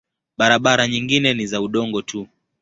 Barabara nyingine ni za udongo tu.